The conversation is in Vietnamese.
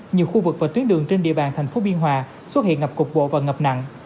nhiều khu vực và tuyến đường trên địa bàn thành phố biên hòa xuất hiện ngập cục bộ và ngập nặng